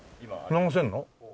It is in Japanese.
流せるの？